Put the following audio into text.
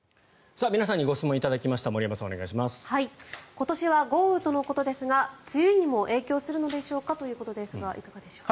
今年は豪雨とのことですが梅雨にも影響するのですか？ということですがいかがでしょうか。